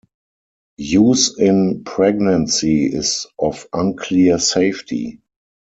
Use in pregnancy is of unclear safety.